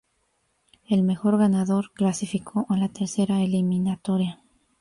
El mejor ganador clasificó a la tercera eliminatoria.